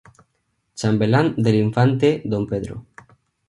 Chambelán del Infante D. Pedro.